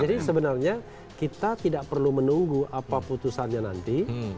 jadi sebenarnya kita tidak perlu menunggu apa putusannya nanti